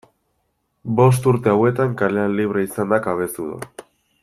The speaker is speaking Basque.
Bost urte hauetan kalean libre izan da Cabezudo.